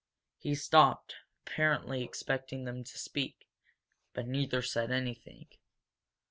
He stopped, apparently expecting them to speak. But neither said anything.